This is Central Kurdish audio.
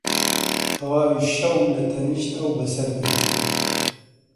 تەواوی شەوم لە تەنیشت ئەو بەسەر برد.